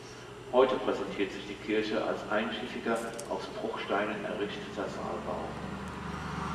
Heute präsentiert sich die Kirche als einschiffiger, aus Bruchsteinen errichteter Saalbau.